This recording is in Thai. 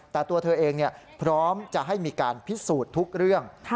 แต่ตัวเธอเองพร้อมจะให้มีการพิสูจน์ทุกเรื่อง